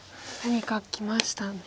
何かきました。